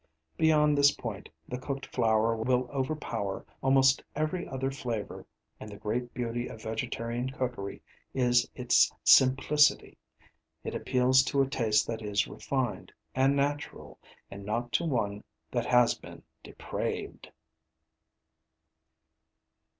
Beyond this point the cooked flour will overpower almost every other flavour, and the great beauty of vegetarian cookery is its simplicity, it appeals to a taste that is refined and natural, and not to one that has been depraved.